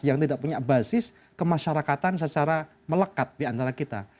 yang tidak punya basis kemasyarakatan secara melekat diantara kita